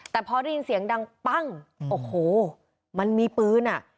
แต่พอได้ยินเสียงดังปั้งโอ้โหมันมีปืนอ่ะ